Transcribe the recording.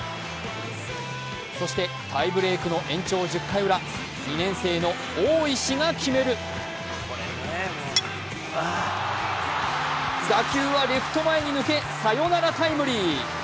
そして、タイブレークの延長１０回ウラ、２年生の大石が決める、打球はレフト前へ抜けサヨナラタイムリー。